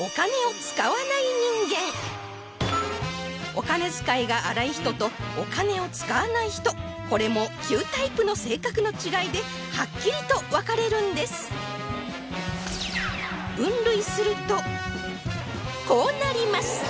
お金遣いが荒い人とお金を使わない人これも９タイプの性格の違いではっきりと分かれるんです分類するとこうなります